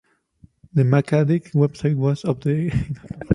The "MacAddict" website was updated daily with news relevant to Apple products.